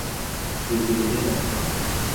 তুই কি বললি এইমাত্র?